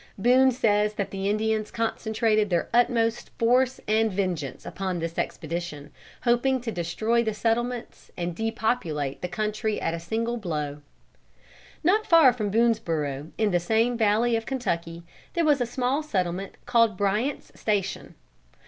Boone says that the Indians concentrated their utmost force and vengeance upon this expedition, hoping to destroy the settlements and to depopulate the country at a single blow. Not far from Boonesborough, in the same valley of the Kentucky, there was a small settlement called Bryant's Station.